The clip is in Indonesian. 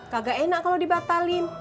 kagak enak kalau dibatalin